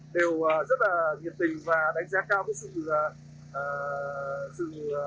đều rất là nhiệt tình và đánh giá cao với chúng mình